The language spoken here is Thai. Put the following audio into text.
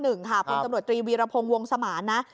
คนตำรวจตรีวีรพงศ์วงสมานนะ